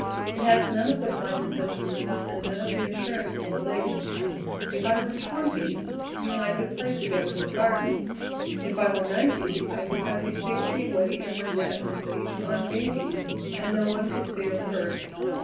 "It has none of the blindness of youth and none of the assurance of old age. If I were twenty, you and I could play together in the Garden; if I were ninety I could tuck you safely away in my nest and feed you on dainties, and no one could say a word.